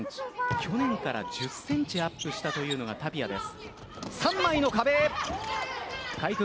去年から１０ｃｍアップしたというのがタピアです。